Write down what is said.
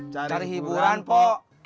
cari hiburan pok